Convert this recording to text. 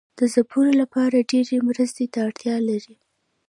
د ځپلو لپاره ډیرې مرستې ته اړتیا لري.